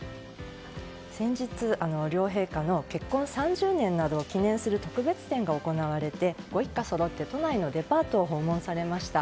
先日、両陛下の結婚３０年などを記念する特別展が行われてご一家そろって都内のデパートを訪問されました。